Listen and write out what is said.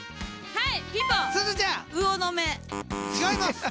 はい。